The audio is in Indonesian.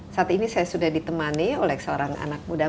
saat ini saya sudah ditemani oleh seorang anak muda